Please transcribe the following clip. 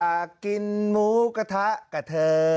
มากินหมูกะทะกับเธอ